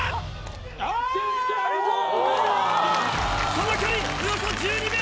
その距離およそ１２ｍ！